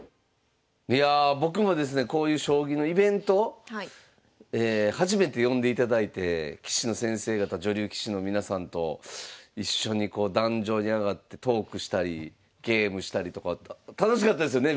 いやあ僕もですねこういう将棋のイベント初めて呼んでいただいて棋士の先生方女流棋士の皆さんと一緒にこう壇上に上がってトークしたりゲームしたりとか楽しかったですよね